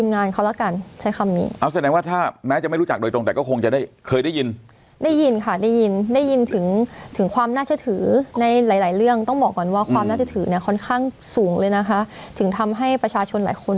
ในหลายเรื่องต้องบอกก่อนว่าความน่าจะถือเนี่ยค่อนข้างสูงเลยนะคะถึงทำให้ประชาชนหลายคน